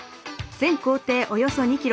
全行程およそ２キロ。